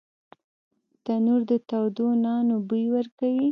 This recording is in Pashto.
تنور د تودو نانو بوی ورکوي